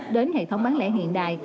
đến hệ thống bán lẻ hiện đại